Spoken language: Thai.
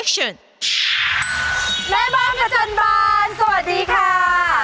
สวัสดีค่า